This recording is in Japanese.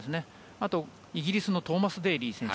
あと、イギリスのトーマス・デーリー選手。